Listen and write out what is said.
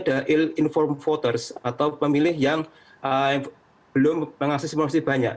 the ill informed voters atau pemilih yang belum mengakses morsi banyak